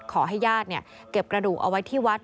ขอให้ญาติเก็บกระดูกเอาไว้ที่วัด